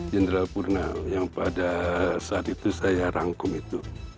jenderal purna yang pada saat itu saya rangkum itu